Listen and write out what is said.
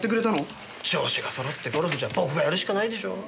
上司が揃ってゴルフじゃ僕がやるしかないでしょう！？